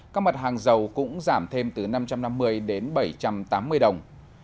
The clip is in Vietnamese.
các mặt hàng dầu cũng giảm thêm từ năm trăm năm mươi đến bảy trăm tám mươi đồng